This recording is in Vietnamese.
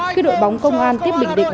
khi đội bóng công an tiếp bình định